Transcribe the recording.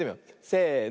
せの。